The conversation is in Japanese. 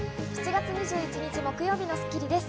７月２１日、木曜日の『スッキリ』です。